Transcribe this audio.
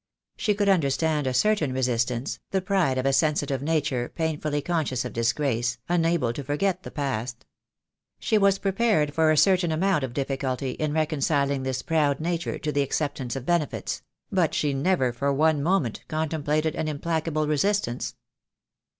She could understand a certain resistance, the pride of a sensitive nature painfully conscious of disgrace, un able to forget the past. She was prepared for a certain amount of difficulty in reconciling this proud nature to the acceptance of benefits; but she never for one moment contemplated an implacable resistance.